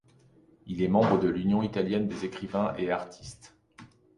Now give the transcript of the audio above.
Il est membre de l'Union Italienne des écrivains et artistes.